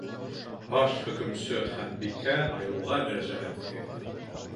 Баш хокөмсө Ханбикә айыуға мөрәжәғәт итегеҙ.